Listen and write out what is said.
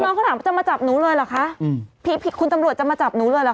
น้องเขาถามว่าจะมาจับหนูเลยเหรอคะอืมผิดคุณตำรวจจะมาจับหนูเลยเหรอ